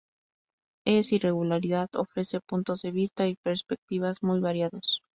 Esta irregularidad ofrece puntos de vista y perspectivas muy variados.